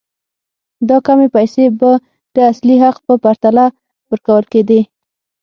دا کمې پیسې به د اصلي حق په پرتله ورکول کېدې.